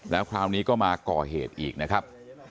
แล้วคราวนี้ก็มาก่อเหตุอีกนะครับ